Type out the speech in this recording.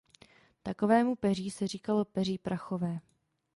Takovému peří se říkalo peří prachové.